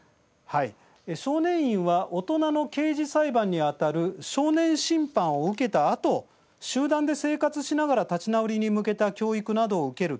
少年院は大人の刑事裁判に当たる少年審判を受けたあと集団で生活しながら、立ち直りに向けた教育などを受ける機関です。